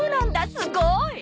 すごーい！